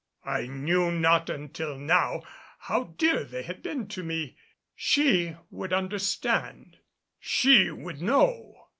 I knew not until now how dear they had been to me. She would understand. She would know.